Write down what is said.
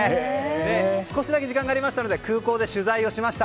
少しだけ時間がありましたので空港で取材しました。